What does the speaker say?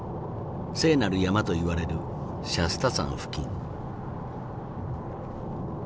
聖なる山といわれるシャスタ山付近。